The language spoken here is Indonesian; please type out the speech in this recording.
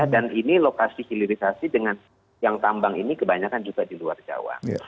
dan ini lokasi hilirisasi dengan yang tambang ini kebanyakan juga di luar jawa